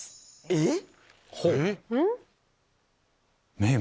えっ？